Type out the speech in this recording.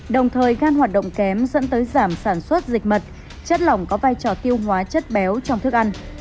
đồng thời gan hoạt động kém dẫn tới giảm sản xuất dịch mật chất lỏng có vai trò tiêu hóa chất béo trong thức ăn